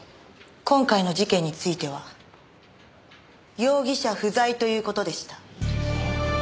今回の事件については容疑者不在という事でした。